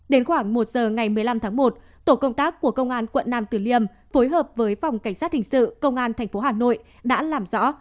đến khoảng một giờ ngày một mươi năm tháng một tổ công tác của công an quận nam tử liêm phối hợp với phòng cảnh sát hình sự công an tp hà nội đã làm rõ